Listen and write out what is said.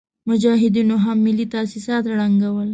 مجاهدينو هم ملي تاسيسات ړنګول.